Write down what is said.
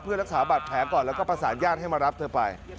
เพื่อรักษาบัตรแผลก่อนแล้วก็ประสานญาติให้มารับเธอไป